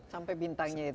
sampai bintangnya itu